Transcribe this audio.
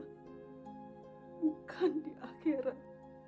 bukan di akhirat